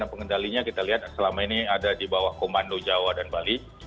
dan pengendalinya kita lihat selama ini ada di bawah komando jawa dan bali